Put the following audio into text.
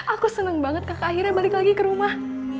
aku senang banget kakak akhirnya balik lagi ke rumah